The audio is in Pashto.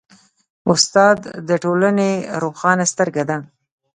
استاد د ټولنې روښانه سترګه ده.